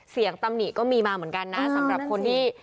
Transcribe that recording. ตำหนิก็มีมาเหมือนกันนะสำหรับคนที่